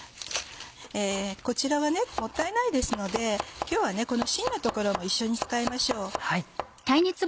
こちらはもったいないですので今日はしんの所も一緒に使いましょう。